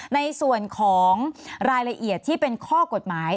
ในส่วนของรายละเอียดที่เป็นข้อกฎหมาย